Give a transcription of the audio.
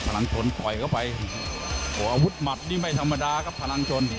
หลังชนต่อยเข้าไปโอ้อาวุธหมัดนี่ไม่ธรรมดาครับพลังชน